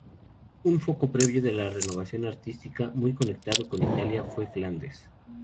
Un foco previo de la renovación artística, muy conectado con Italia, fue Flandes.